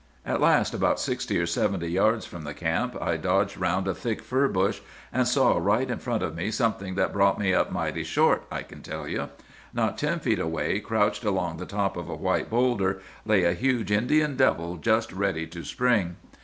"'At last, about sixty or seventy yards from the camp, I dodged round a thick fir bush, and saw right in front of me something that brought me up mighty short, I can tell you. "'Not ten feet away, crouched along the top of a white bowlder, lay a huge Indian devil just ready to spring.